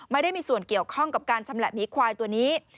ไม่ได้มีส่วนเกี่ยวข้องกับการชำแหละหมีควายตัวนี้